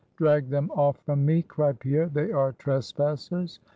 "Drag them off from me!" cried Pierre. "They are trespassers!